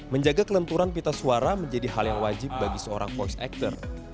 menjaga kelenturan pita suara menjadi hal yang wajib bagi seorang voice actor